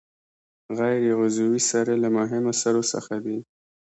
غیر عضوي سرې له مهمو سرو څخه دي.